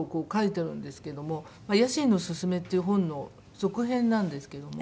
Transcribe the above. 『野心のすすめ』っていう本の続編なんですけども。